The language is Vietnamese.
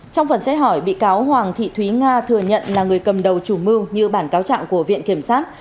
trong phần xét hỏi bị cáo hoàng thị thúy nga thừa nhận là người cầm đầu chủ mưu như bản cáo trạng của viện kiểm sát